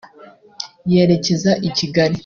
yerekeza i Kigali